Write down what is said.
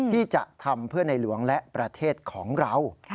ที่จะทำเพื่อในหลวงและประเทศของเรา